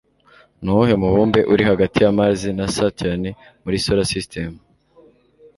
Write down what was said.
Nuwuhe mubumbe uri hagati ya Mars na Saturne muri Solar System?